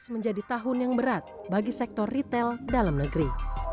dua ribu tujuh belas menjadi tahun yang berat bagi sektor ritel dalam negeri